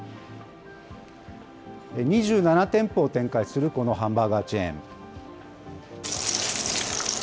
２７店舗を展開するこのハンバーガーチェーン。